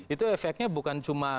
itu efeknya bukan cuma terjadi bom